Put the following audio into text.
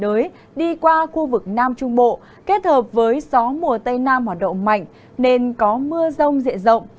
giải hội tụ nhiệt đới đi qua khu vực nam trung bộ kết hợp với gió mùa tây nam hoạt động mạnh nên có mưa rông dịa rộng